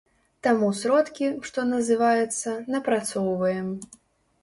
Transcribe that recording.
Таму сродкі, што называецца, напрацоўваем.